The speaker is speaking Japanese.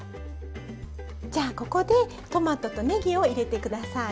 じゃあここでトマトとねぎを入れて下さい。